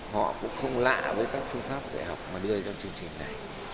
họ cũng không lạ với các phương pháp dạy học mà đưa trong chương trình này